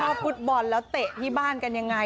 ฟุตบอลแล้วเตะที่บ้านกันยังไง